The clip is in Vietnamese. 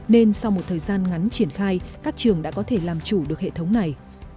nên sau một thời gian ngắn triển khai các trường đã có thể làm chủ được hệ thống này